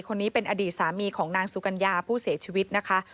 คนนี้เป็นอดีตสามีของนางสุกัญญาผู้เสียชีวิตนะคะ